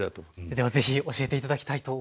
ではぜひ教えて頂きたいと思います。